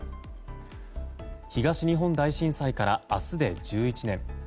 東日本大震災から明日で１１年。